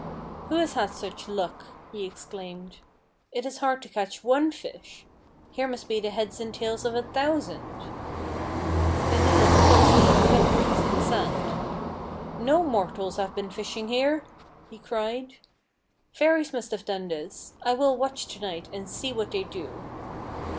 "Who has had such luck!" he exclaimed. "It is hard to catch one fish! Here must be the heads and tails of a thousand!" Then he looked closely at the footprints in the sand. "No mortals have been fishing here!" he cried. "Fairies must have done this! I will watch to night and see what they do."